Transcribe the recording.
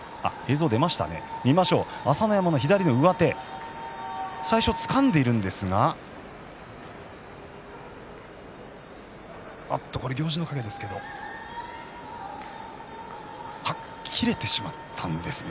朝乃山の左の上手最初つかんでいるんですが行司の陰ですけれど切れてしまったんですね。